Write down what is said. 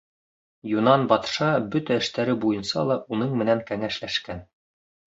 Юнан батша бөтә эштәре буйынса ла уның менән кәңәшләшкән.